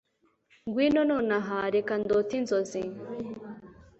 ngwino nonaha, reka ndote inzozi